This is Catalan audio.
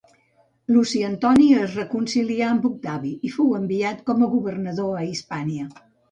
Luci Antoni es reconcilià amb Octavi i fou enviat com a governador a Hispània.